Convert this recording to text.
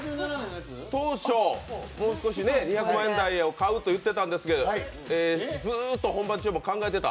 当初、もう少し２００万円台を買うと言っていたんですけど、えーずっと本番中も考えてた？